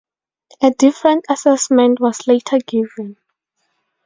A different assessment was later given.